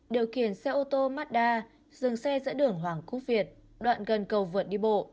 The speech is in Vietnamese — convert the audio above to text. điều khiển xe ô tô mazda dừng xe giữa đường hoàng quốc việt đoạn gần cầu vượt đi bộ